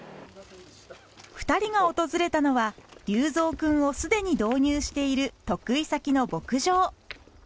２人が訪れたのは粒造くんをすでに導入している得意先の牧場。